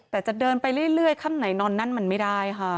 แต่จะเดินไปเรื่อยค่ำไหนนอนนั่นมันไม่ได้ค่ะ